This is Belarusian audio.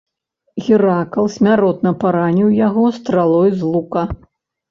Геракл смяротна параніў яго стралой з лука.